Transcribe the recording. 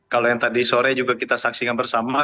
kalau yang tadi sore juga kita saksikan bersama